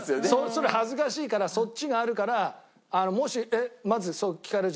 それ恥ずかしいからそっちがあるからもしまずそう聞かれるじゃない。